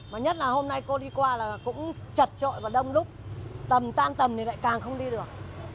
mà nhất là hôm nay cô đi qua là cũng chật trội và đông đúc tầm tan tầm thì lại càng không đi được